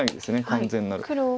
完全なる。